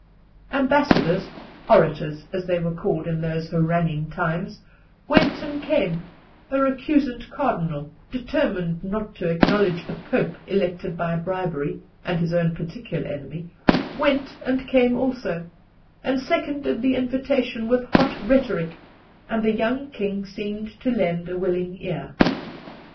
Ambassadors—"orators," as they were called in those haranguing times—went and came; a recusant cardinal, determined not to acknowledge a Pope elected by bribery (and his own particular enemy), went and came also, and seconded the invitation with hot rhetoric; and the young king seemed to lend a willing ear.